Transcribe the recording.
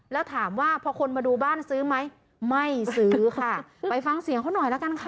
แล้วถามว่าพอคนมาดูบ้านซื้อไหมไม่ซื้อค่ะไปฟังเสียงเขาหน่อยละกันค่ะ